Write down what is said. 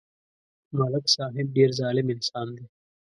ملک صاحب ډېر ظالم انسان دی